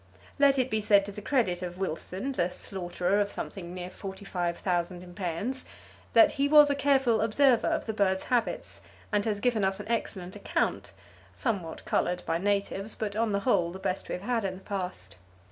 Let it be said to the credit of Wilson, the slaughterer of something near forty five thousand impeyans, that he was a careful observer of the birds' habits, and has given us an excellent account, somewhat coloured by natives, but on the whole, the best we have had in the past.